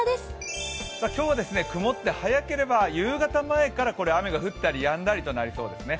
今日は曇って早ければ夕方前から雨が降ったりやんだりになりそうですね。